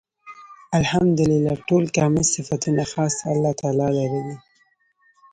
الحمد لله . ټول کامل صفتونه خاص الله تعالی لره دی